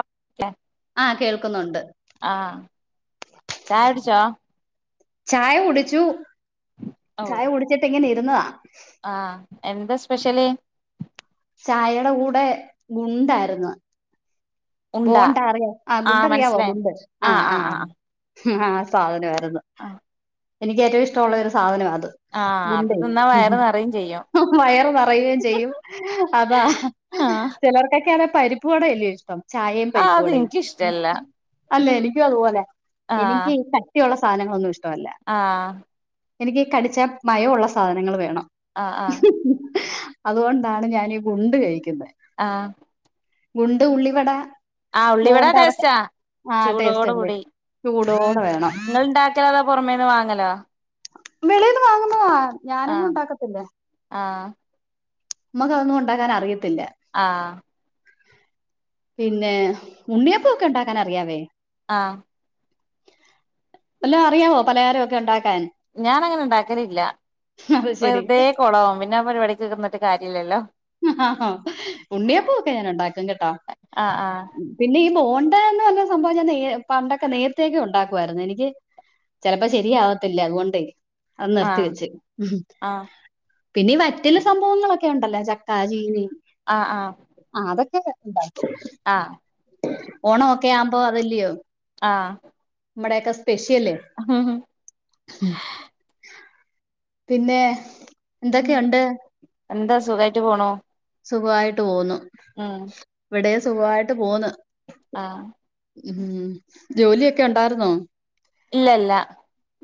ഒക്കെ ആഹ് കേൾക്കുന്നുണ്ട് ആഹ് ചായുട്ച്ചൊ ചായകുടിച്ചു ഓ ചായകുടിച്ചിട്ട് ഇങ്ങനെ ഇരുന്നാ ആഹ് എന്ത സ്പെഷ്യല് ചായടെ കൂടെ ഗുണ്ടായ്ര്ന്നു ഉണ്ടാ ബോണ്ട അറിയാം ആഹ് ഗുണ്ട് അറിയാവോ ഗുണ്ട് ആഹ് ആഹ് ഉം ആഹ് സാധനമായിരുന്നു ആഹ് എനിക്ക് ഏറ്റവും ഇഷ്ടമുള്ള ഒരു സാധനവാ അത് ആഹ് അത് തിന്നാ വയറ് ഉണ്ടേയ് നിറയും ചെയ്യും വയറ് നെറയുകയും ചെയ്യും അതാ ആഹ് [unintelligible] പരിപ്പ് വട അല്ലെ ഇഷ്ടം ചായയും ആഹ് പരിപ്പ് അത് വടയും എനിക്കിഷ്ടല്ല അല്ലെ എനിക്കും അതുപോലെ ആഹ് എനിക്ക് ഈ കട്ടിയുള്ള സാധനങ്ങളൊന്നും ഇഷ്ടവല്ല ആഹ് എനിക്ക് കടിച്ച മയോള്ള സാധനങ്ങൾ വേണം ആഹ് ആഹ് അതുകൊണ്ടാണ് ഞാൻ ഈ ഗുണ്ട് കഴിക്കുന്നെ ആഹ് ഗുണ്ട് ഉള്ളിവട ആഹ് ഉള്ളിവട ബോണ്ട അതൊക്കെ ടെസ്റ്റാ ആ ടേസ്റ്റ് ചൂടോട് അല്ലേ കൂടി ചൂടോടെ വേണം ഇങ്ങള് ഇണ്ടാക്കലോ അതാ പുറമേന്ന് വാങ്ങലോ വെളീന്ന് വാങ്ങുന്നതാ ഞാനൊന്നും ആഹ് ഉണ്ടാക്കത്തില്ല ആഹ് ഇമ്മക്ക് അതൊന്നും ഉണ്ടാക്കാൻ അറിയത്തില്ല ആഹ് പിന്നെ ഉണ്ണിയപ്പൊക്കെ ഉണ്ടാക്കാൻ അറിയാവേ ആഹ് എല്ലാം അറിയാവോ പലഹാരൊക്കെ ഉണ്ടാക്കാൻ ഞാൻ അങ്ങനെ ഇണ്ടാക്കലില്ല അത് ശെരി വെറുതെ കൊളാവും പിന്നെ ആ പരിപാടിക്ക് നിന്നിട്ട് കാര്യല്ലല്ലോ ഉണ്ണിയപ്പോക്കെ ഞാൻ ഉണ്ടാക്കും കേട്ടോ ആഹ് ആഹ് പിന്നെ ഈ ബോണ്ടന്ന് പറഞ്ഞ സംഭവം ഞാൻ നേ പണ്ടൊക്കെ നേരത്തേക്കെ ഉണ്ടാക്കുവായിരുന്നു എനിക്ക് ചെലപ്പം ശരിയാവത്തില്ല അതുകൊണ്ടെയ് അത് നിർത്തി ആഹ് വെച്ച് ആഹ് പിന്നെ വറ്റല് സംഭവങ്ങളൊക്കെ ഉണ്ടല്ലോ ചക്ക് ക്കാ ചീനി ആഹ് ആഹ് ആഹ് അതൊക്കെ ഞൻ ഇണ്ടാക്കും ആഹ് ഓണം ഒക്കെ ആവുമ്പോ അതല്ലയോ ആഹ് മ്മടെയൊക്കെ സ്പെഷ്യല് പിന്നെ എന്തൊക്കെയുണ്ട് എന്താ സുഖായിട്ട് പോണു സുഖായിട്ട് പോവുന്നു ഉം ഇവിടെ സുഖവായിട്ട് പോവുന്ന് ആഹ് ഉം ജോലിയൊക്കെ ഉണ്ടായിരുന്നോ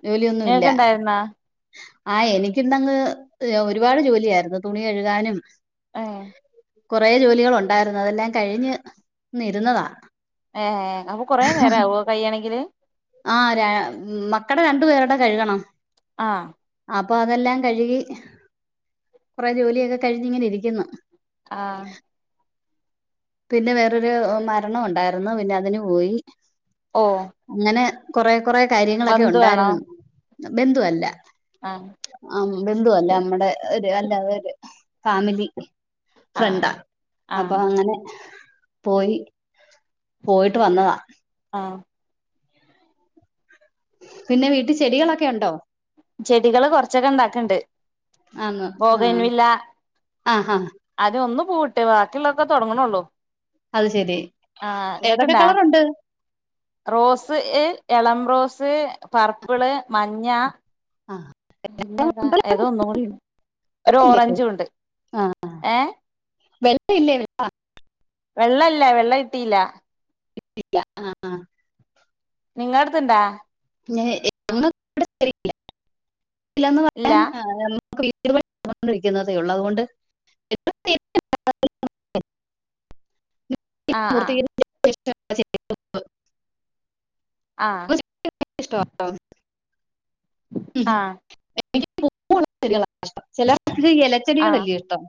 ജോലിയൊന്നുല്ല എന്നാ ആഹ് എനിക്കിന്നങ്ങ് ഒരുപാട് ജോലിയായിരുന്നു തുണി കഴുകാനും ഏഹ് കുറെ ജോലികൾ ഉണ്ടായിരുന്നു അതെല്ലാം കഴിഞ് ഒന്ന് ഇരുന്നതാ ഏഹ് അപ്പൊ കൊറേ നേരം ആവോ കയ്യണെങ്കില് ആഹ് രാ മക്കടെ രണ്ടു പേരുടെ കഴുകണം ആഹ് അപ്പതെല്ലാം കഴുകി കൊറെ ജോലിയൊക്കെ കഴിഞ് ഇങ്ങനെ ഇരിക്കുന്നു ആഹ് പിന്നെ വേറൊരു മരണം ഒണ്ടായിരുന്നു പിന്നെ അതിന് പോയി ഓഹ് ഇങ്ങനെ കൊറെ കുറെ കാര്യങ്ങളൊക്കെ ആണോ ഒണ്ടായിരുന്നു ബന്ധുവല്ല ആഹ് ആഹ് ബന്ധുവല്ല അമ്മടെ ഒരു അല്ലാതെ ഒരു ഫാമിലി ആഹ് ഫ്രണ്ടാ അപ്പൊ ആഹ് അങ്ങനെ പോയി പോയിട്ട് വന്നതാ ആഹ് പിന്നെ വീട്ടി ചെടികളൊക്കെ ഒണ്ടോ? ചെടികള് കൊറച്ചൊക്കെ ഇണ്ടാക്കണ്ട്. ആന്ന് ആ ബോഗയ്ൻ വില്ല ആ ആ അത് ഒന്ന് പൂവിട്ടെ വാക്കിള്ളതൊക്കെ തൊടങ്ങണൊള്ളൂ. അത് ശെരി ഏതൊക്കെ ഇങ്ങക്ക്ണ്ടാ കളറുണ്ട് റോസ് എളം റോസ് പർപ്പിള് മഞ്ഞ ആഹ് പിന്നെതാ ഏതോ ഒന്നും കൂടിണ്ട് ഒരു ഇല്ലേ ഓറഞ്ചും ഉണ്ട് ഏഹ് വെള്ള ഇല്ലേ വെള്ള വെള്ളല്ല വെള്ള കിട്ടില്ല കിട്ടില്ല ആഹ് ആഹ് നിങ്ങള അടുത്ത്ണ്ടാ [unintelligible] ഇല്ലാ ന്ന് പറ ഇല്ലാ ആഹ് ഞമ്മക്ക് വീടുപണി വെക്കുന്നോണ്ട് ഇരിക്കുന്നതേ ഒള്ളൂ അതുകൊണ്ട് [unintelligible] ആ ആ [unintelligible] ആഹ് എനിക്കിഷ്ട്ടാവാ ട്ടോ ആ ഉം എനിക്ക് പൂവുള്ള ചെടികളാ ഇഷ്ടം ചിലർക്ക് ആ എലച്ചെടികളില്ലെ ഇഷ്ടം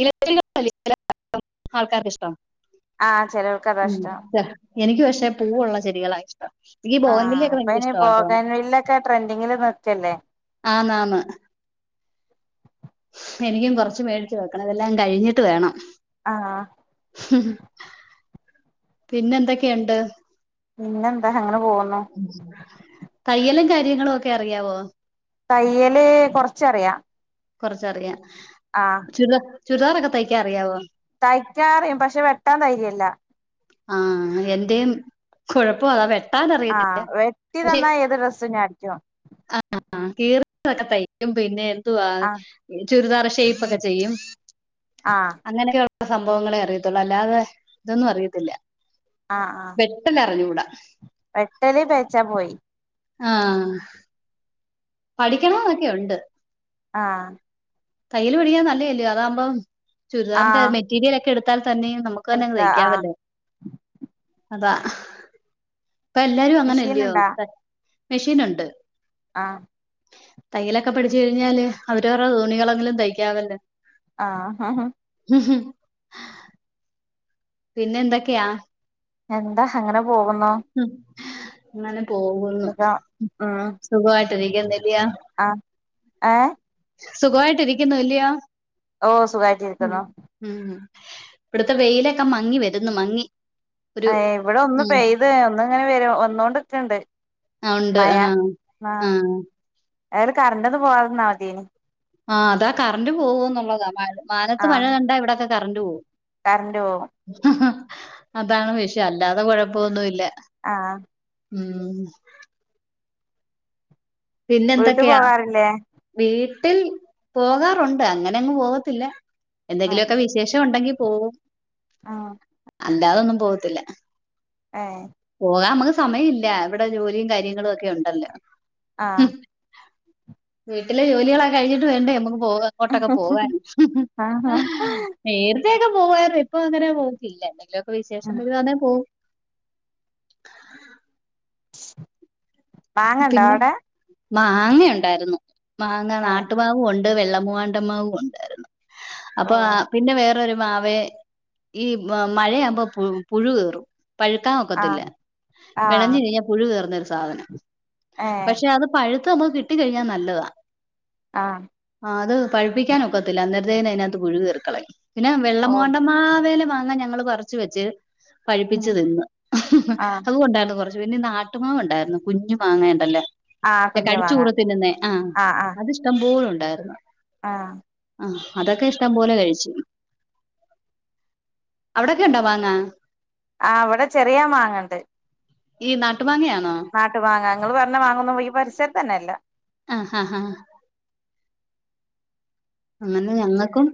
ഇലചെടികളല്ലേ ചില ആൾക്കാർക്ക് ഇഷ്ട്ടം ആ ചിലർക്ക് അതാ ഇഷ്ടം എനിക്ക് പക്ഷേ പൂവുള്ള ചെടികളാ ഇഷ്ടം എനിക്ക് ആഹ ബോഗൻവില്ലയൊക്കെ അപ്പ ഭയങ്കര ഇനി ഇഷ്ടമാട്ടോ ബോഗൻവില്ലൊക്കെ ട്രെൻഡിങ്ങിന് നിൽക്കല്ലേ ആഹന്നാന്ന് എനിക്കും കൊറച്ച് മേടി വെക്കണം ഇതെല്ലാം കഴിഞ്ഞിട്ട് വേണം ആഹ് ഹും പിന്നെ എന്തൊക്കെയുണ്ട്? പിന്നെന്താ അങ്ങനെ പോകുന്നു തയ്യലും കാര്യങ്ങളും ഒക്കെ അറിയാവോ? തയ്യല് കൊറച്ചറിയാം കൊറച്ചറിയാം ആ ചുരിദാ ചുരിദാറൊക്കെ തയ്ക്കാൻ അറിയാവോ? തയ്ക്കാറിയും പക്ഷെ വെട്ടാ ധൈര്യല്ല. ആഹ് എന്റെയും കുഴപ്പം അതാ വ ആഹ് വെട്ടി തന്നാ ഏത് ഡ്രസും ഞാ അടിക്കും ആഹ് കീറിയതൊക്കെ തയ്ക്കും പിന്നെ എന്തുവാ? ആ ചുരിദാറ് ഷേയ്പ്പൊക്കെ ചെയ്യും ആഹ് അങ്ങനെയൊക്കെ ഒള്ള സംഭവങ്ങളേ അറിയത്തുള്ളൂ അല്ലാതെ ഇതൊന്നും അറിയത്തില്ല ആഹ ആഹ് വെട്ടല് അറിഞ്ഞൂടാ പെട്ടല പെയച്ചാ പോയി ആഹ പഠിക്കണംന്നൊക്കെ ഉണ്ട് ആഹ തയ്യിൽ പഠിക്കൽനല്ലതല്ലെയോ അതാകുമ്പം ആ ചുരിദാറിന്റെ മെറ്റീരിയൽ ഒക്കെ എടുത്താൽ തന്നെയ നമുക്ക് തന്നെങ് എടുത്താ ആ തയ്ക്കാമല്ലേ അതാ ഇപ്പൊ എല്ലാരും മെഷീൻ അങ്ങനെല്ലയോ ഇണ്ടാ മെഷീൻ ഉണ്ട് ആഹ തയ്യലൊക്കെ പഠിച്ചു കഴിഞ്ഞാല് അവര് വേറെ തോണികളെങ്കിലും തയ്ക്കാാവല്ലോ ആഹ ഉം ഹ പിന്നെ എന്തൊക്കെയാ എന്താ അങ്ങനെ പോകുന്നു അങ്ങനെ പോകുന്നു സുഖം സുഖമായിട്ട്ക്കുന്നില്ലോ ആ ഹഏഹ സുഖമായിട്ടിരിക്കുന്നു ഇല്ലയോ ഓ ഹ ഉം സുഖായിട്ടിരിക്കുന്നു ഉം ഇവിടുത്തെ വെയിലൊക്കെ മങ്ങി വരുന്നു മങ്ങി ഒരു ഇവിടെ ഒന്ന് ഉം പെയ്ത് ഇവിടെ വെര വന്നോണ്ട്ക്ക്ണ് ണ്ട് ആ ഉണ്ട് മഴ ആ അഹ ആ അര് കറണ്ട ഒന്ന് പോവാതിരുന്ന മതിന് ആഹ അതാ കറണ്ട്റ് പോവൂ എന്നുള്ളതാ മാല മാനത്ത് മഴ ആഹ് കണ്ട ഇവിടക്കെ കറന്റ് പോകും. കറണ്ട് പോവും അതാണ് വിഷയം അല്ലാതെ കൊഴപ്പൊന്നുല്ല. ആഹ് ഉം വീട്ട് പിന്നെന്തെക്കെയാ? പോകാറില്ലേ വീട്ടിൽ പോകാറുണ്ട്. അങ്ങനെ അങ്ങ് പോകത്തില്ല. ഏഹ് എന്തെങ്കിലൊക്കെ വി വിശേഷം ഒണ്ടെങ്കി പോവും. ആഹ് അല്ലാതൊന്നും പോവത്തില്ല ഏഹ് പോകാൻ നമ്മക്ക് സമയ ഇല്ല. ഇവിടെ ജോലിയും കാര്യങ്ങളും ഒക്കെ ഒണ്ടല്ലോ. ആഹ് വീട്ടിലെ ജോലികളൊക്കെ കഴിഞ്ഞിട്ട് വേണ്ടേ നമ്മുക്ക് പോവാ എങ്ങോട്ടൊക്കെ പോവാൻ ആഹാ നേരത്തെയൊക്കെ പോവായിരുന്നു. ഇപ്പ അങ്ങനെ പോക്കില്ല. വല്ലൊക്കെ വിശേഷം വരുവാന്നെ പോവും. [unintelligible] പിന്നെ അവിടെ മാങ്ങയുണ്ടായിരുന്നു. മാങ്ങ ഏഹ് നാട്ട്മാ വുണ്ട് വെള്ളമൂവാണ്ടമാവുണ്ടായിരുന്നു. ഓ അപ്പൊ പിന്നെ വേറൊരു മാവെ ഈ മഴയാവുമ്പ പു പുഴു കയറും. പഴുക്കാൻ ഒക്കത്തില്ല. ആഹ് ആഹ് വെളഞ്ഞ് കഴിഞ്ഞാ പുഴു കേറുന്നൊരു സാധനം. ഏഹ് പക്ഷെ അത് പഴുത്ത് നമുക്ക് കിട്ടിക്കഴിഞ്ഞാ നല്ലതാ. ആഹ് ആഹ് അത് പഴപ്പിക്കാനൊക്കത്തില്ല. അന്നേരത്തേന് അതിനകത്ത് പുഴു കേറിക്കളയും. പിന്നെ ഓ വെള്ളമൂവാണ്ടമ്മാവേല മാങ്ങ ഞങ്ങള് പറച്ച് വെച്ച് ഉം പഴുപ്പിച്ച് തിന്ന്. ആഹ് അതും ഉണ്ടായിരുന്നു കൊറച്ച്. പിന്നെ നാട്ടുമാവ്ണ്ടായിരുന്നു കുഞ്ഞു മാങ്ങേണ്ടല്ല ആഹ് കുഞ്ഞ് മാങ്ങ കടിച്ചൂറത്തി തിന്നേ ആഹ് അത് ഇഷ്ടംപോല ഒണ്ടായിരുന്നു. ആഹ് ആഹ്, അതൊക്കെ ഇഷ്ടം പോലെ കഴിച്ച്. അവിടക്കെണ്ടോ മാങ്ങ? ആഹ് ഇവിടെ ചെറിയ മാങ്ങണ്ട്. ഈ നാട്ടുമാങ്ങയാണോ? നാട്ട്മാങ്ങ. ഇങ്ങള് പറഞ്ഞ മാങ്ങൊന്നും ഈ പരിസരത്തന്നെയില്ല. ആഹ് ആഹ് ആഹ് അങ്ങനെ ഞങ്ങക്കും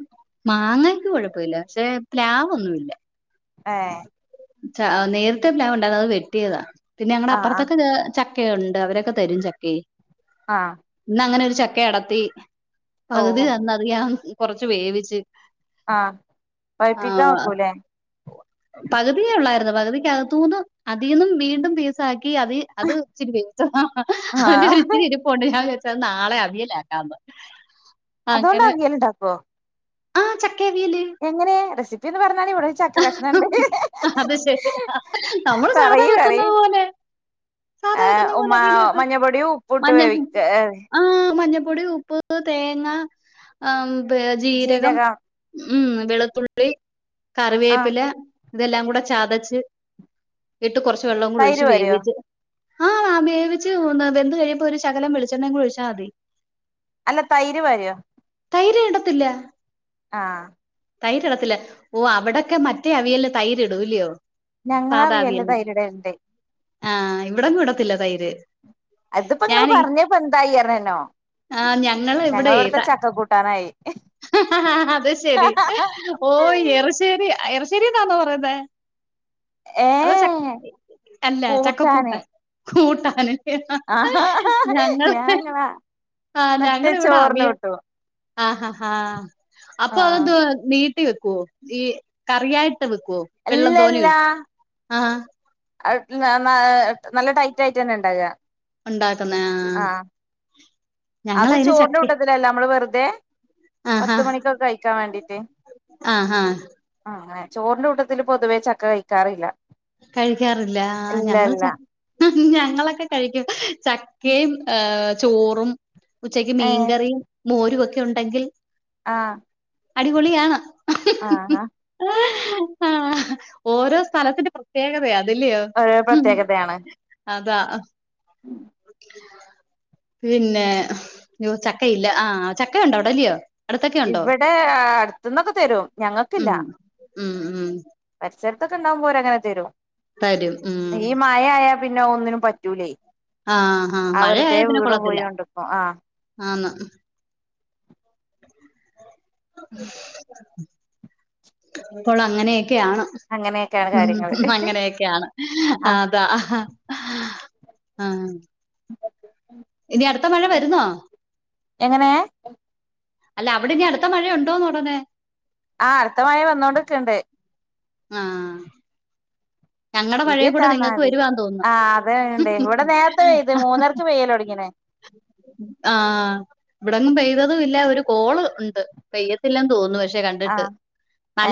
മാങ്ങക്ക് കൊഴപ്പമില്ല. പക്ഷെ പ്ലാവൊന്നുമില്ല. ഏഹ് ച നേരത്തെ പ്ലാവ്ണ്ടായിരുന്നു അത് വെട്ടിയതാ. പിന്നെ ഞങ്ങടെ ആഹ് ആഹ് അപ്പുറത്തൊക്കെ ചക്കയുണ്ട്. അവരൊക്കെ തരും ചക്കെ. ആഹ് ഇന്ന് അങ്ങനെ ഒരു ചക്ക അടത്തി ഓ പകുതി തന്ന്. അത് ഞാൻ കൊറച്ച് വേവിച്ച് ആഹ്, പഴിപ്പിക്കാൻ ആഹ് വെക്കൂല്ലെ? പകുതിയേ ഉള്ളായിരുന്നു. പകുതിക്കകത്തൂന്ന് അതീന്നും വീണ്ടും പീസാക്കി അതി അത് ഇച്ചിരി വേവിച്ചു. അതിന്റെ ആഹ് ഒരിച്ചിരി ഇരിപ്പൊണ്ട്. ഞാൻ വിചാരിച്ചത് നാളെ അവിയലാക്കാന്ന്. അങ്ങനെ അതൊണ്ടവിയല്ണ്ടാക്കോ? ആഹ് ചക്കവിയല്. എങ്ങനെ റെസിപ്പി ഒന്ന്‌ പറഞ്ഞാടി. ഇവിടെരു ചക്ക കഷ്ണുണ്ട്. അത് ശരി ആഹ് നമ്മള് സാധാ വെക്കുന്നത് പോലെ. സാധാ ആഹ് വെക്കുന്ന പോലെ ഉമാ അവിയല് വെക്കും. മഞ്ഞപ്പൊടിയും ഉപ്പുട്ട് മഞ്ഞ വേവിക്ക് ആഹ് മഞ്ഞപ്പൊടി, ഉപ്പ്, തേങ്ങ, ആഹ് പി ജീരകം ഉം വെളുത്തുള്ളി, ആഹ് കറിവേപ്പില ഇതെല്ലാം കൂടെ ചതച്ച് ഇട്ട് കൊറച്ച് വെള്ളോം കൂടി തൈര് ഒഴിച്ച് പാരോ വേവിച്ച്. ആഹ് വാ വേവിച്ച് ന്ന് വെന്ത് കഴിയുമ്പോ ഒരു ശകലം വെളിച്ചെണ്ണേംകൂടി ഒഴിച്ചാ തി. അല്ല തൈര് പാരോ? തൈര് ഇടത്തില്ല. ആഹ്! തൈര്ടത്തില്ല. ഓഹ് അവിടൊക്കെ മറ്റേ അവിയലിന് തൈരിടൂ ല്യോ.? ഞങ്ങള് സാധാ അവിയലില് അവിയല്. തൈര് ഇടല്ണ്ട് ആഹ് ഇവിടെങ്ങും ഇടത്തില്ല തൈര്. അതിപ്പോ ങ്ങള് ഞാനേ പറഞ്ഞ പ്പോ എന്തായിഅറേനോ ആഹ് ഞങ്ങള് ഇവിടെ ഞങ്ങളിവിടുത്തെ ചക്ക കൂട്ടാനായി. അത് ശെരി. ഓഹ് എറ്ശ്ശേരി അഹ് എ ആന്നോ പറയ്ന്നെ. ഏ അതോ അല്ല കൂട്ടാന് ചക്കക്കൂട്ടാൻ. ക്കൂട്ടാന് ആഹാ ഞങ്ങള് ഞാങ്ങളാ ആഹ് മറ്റേ ഞങ്ങളിവിടെ ചോറിന് അവിയ കൂട്ടും ആഹ് ആഹ് ആഹ് ആ അപ്പൊ ത് നീട്ടി വെക്കുവോ? ഈ കറിയായിട് ട്ട് വെക്കൊ? എല്ലല്ലാ. ആഹ്! അഹ് ട്ട് ന്നാ നല്ല ടൈറ്റായിട്ടന്നെ ണ്ടാവ. ഉണ്ടാക്കുന്നെ. ആഹ് അത് ഞങ്ങളതിന് ചോറ്ന്റെ ചക്ക കൂട്ടത്തിലല്ല അമ്മള് വെറുതെ ആഹാ പത്ത് മണിക്കൊക്കെ കഴിക്കാ വേണ്ടീട്ട്. ആഹാ ആഹ് അങ്ങനെ. ചോറിന്റെ കൂട്ടത്തില് പൊതുവേ ചക്ക കഴിക്കാറില്ല. കഴിക്കാറില്ല. ആഹ് ഇല്ല ഞങ്ങള് ച ഇല്ല ഞങ്ങളൊക്കെ കഴിക്കും. ചക്കേം ചോറും ഉച്ചക്ക് ഏ മീൻകറിം മോരു ക്കെ ഉണ്ടെങ്കിൽ ആഹ്! അടിപൊളിയാണ്. ആഹ് ഹാ ആഹ് ഹാ ഓരോ സ്ഥലത്തിന്റെ പ്രത്യേകതയാ അത് ല്ലയോ. ഒരു അതാ. ഉം പിന്നെ ചക്കയില്ല. ആഹ് ചക്ക ഉണ്ടൊ അവിട ല്ലിയോ. ഇവടെ അടുത്തിന്നൊക്കെ തരും. ഞങ്ങക്കില്ല. ഉം ഉം ഉം പരിസരത്തൊക്കെ ണ്ടാകുമ്പോ ഓര് അങ്ങനെ തരും. തരും. ഉം ഈ മയാ യ പിന്നെ ഒന്നിനും പറ്റൂലേ. ആഹ് ആഹ് ആ മഴആയ വെറുതെ പിന്നെ വീണ് കൊളത്തില്ല. പോയോണ്ട്ക്കും ആ ആന്ന് പ്പോള് അങ്ങനെയൊക്കെയാണ്. അങ്ങനെയൊക്കെയാണ് കാര്യങ്ങള് ഉം അങ്ങനെയ യാണ്. ആ അതാ. അ [inaudible] ഇനി അടുത്ത മഴ വരുന്നോ? എങ്ങനെ? അല്ല അവിടെ ഞീ അടുത്ത മഴയുണ്ടോ എന്ന് പറഞ്ഞെ ആഹ് അടുത്ത മഴ വന്നോണ്ട്ക്ക്ണ്ട്. ആഹ് ഞങ്ങടെ ഇടി മഴയും കൂടെ വെട്ടാന്നാ നിങ്ങക്ക് മതി വരുവാന്ന് തോന്നുന്നു ആ അത്ണ്ടേ ഇവടെ നേര്ത്തെ പെയ്ത് മൂന്നരക്ക് പെയ്യലോട്ങ്ങിണ് ആഹ് ഇവടെങ്ങും പെയ്തതുല്ല ഒരു കോള് ഉണ്ട് പെയ്യത്തില്ലന്ന് തോന്നു പഷ് ആ കണ്ട്ട്ട്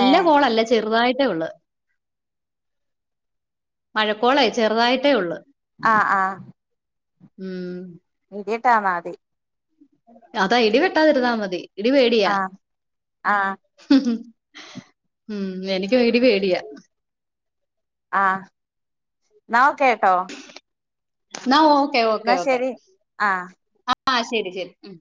ഏ കോളല്ല ചെറ്തായിട്ടേ ഒള്ള് മഴക്കോളേ ചെറ്തായിട്ടേ ഒള്ള് ആഹ് ആഹ് ഉം ഇടി വെട്ടാന്നാ മതി അതാ ഇടി വെട്ടാതിര്ന്നാ മതി ഇടി പേടിയാ. ആ ആ ഉം എനിക്ക് ഇടി പേടിയാ. ആഹ് ന്നാ ഓക്കെട്ടോ ന്നാ ഓക്കെ ഓക്കെ ഓക്കെ ശരി ആ ആ ശെരി ശെരി ഉം